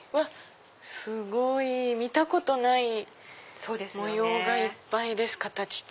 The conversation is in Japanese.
すごい！見たことない模様がいっぱいです形と。